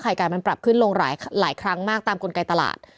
ไก่มันปรับขึ้นลงหลายครั้งมากตามกลไกตลาด